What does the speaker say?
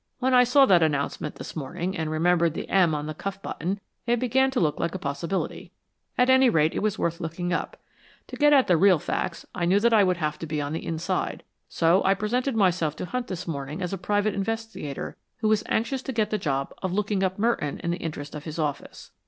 When I saw that announcement this morning, and remembered the 'M' on the cuff button, it began to look like a possibility. At any rate, it was worth looking up. To get at the real facts, I knew that I would have to be on the inside, so I presented myself to Hunt this morning as a private investigator who was anxious to get the job of looking up Merton in the interest of his office.